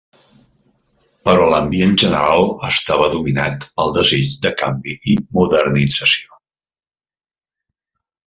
Però l'ambient general estava dominat pel desig de canvi i modernització.